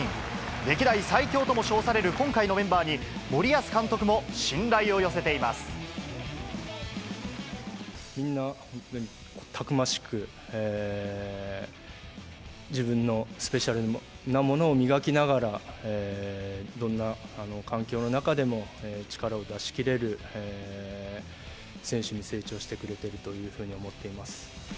歴代最強とも称される今回のメンバーに、森保監督も信頼を寄せてみんな本当にたくましく、自分のスペシャルなものを磨きながら、どんな環境の中でも力を出し切れる選手に成長してくれてるというふうに思っています。